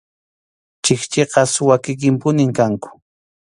Chikchiqa suwa kikinpunim kanku.